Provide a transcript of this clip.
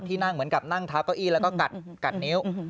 นั่งเหมือนกับนั่งเท้าเก้าอี้แล้วก็กัดนิ้ว